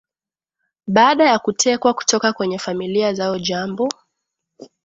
baada ya kutekwa kutoka kwenye familia zao Jambo